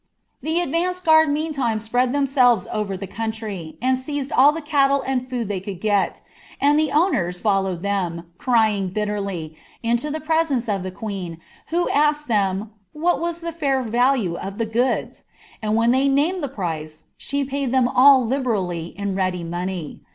Tiie advanced guard meantime spread themselves over th« anuUj, and seized all the cattle and food they could gel, and the ownen U lowed them, crying biiierly, into the presence of the quocn, who ukai them "■ what was the tair value of the goods P" and when they nuwl the price, she paid them all liberally in ready money.